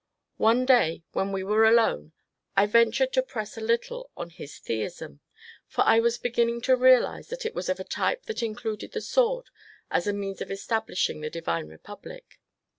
One day when we were alone I ventured to press a little on his theism, for I was beginning to realize that it was of a type that included the sword as a means of establishing the divine Republic.